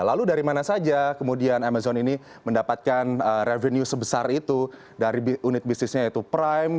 lalu dari mana saja kemudian amazon ini mendapatkan revenue sebesar itu dari unit bisnisnya yaitu prime